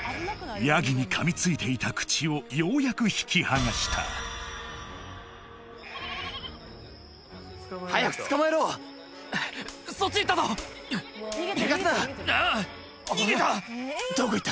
ヤギに噛みついていた口をようやく引きはがした早く捕まえろそっち行ったぞ逃がすな逃げたどこ行った？